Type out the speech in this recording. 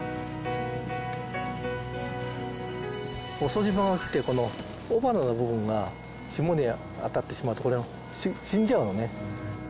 遅霜が来て雄花の部分が霜に当たってしまうとこれは死んじゃうのね。